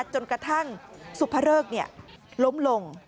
จนกระทั่งสุพรฤกษ์เนี่ยล้มลง